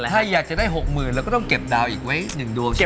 ถ้าอยากจะได้หกหมื่นแล้วก็ต้องเก็บดาวอีกไว้หนึ่งดวงใช่ไหม